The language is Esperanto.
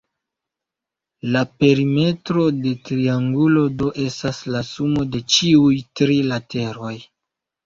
La perimetro de triangulo, do, estas la sumo de ĉiuj tri lateroj.